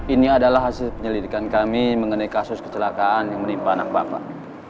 ini adalah hasil penyelidikan kami mengenai kasus kecelakaan yang menimpa anak bapak